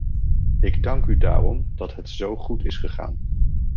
Ik dank u daarom dat het zo goed is gegaan.